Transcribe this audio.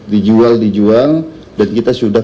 dijual dijual dan kita sudah